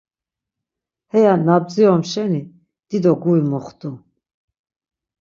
Heya na bdzirom şeni, dido guri muxtu.